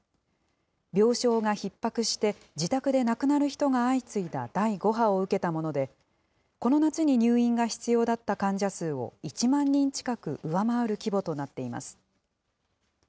病床がひっ迫して、自宅で亡くなる人が相次いだ第５波を受けたもので、この夏に入院が必要だった患者数を１万人近く上回る規模となっています。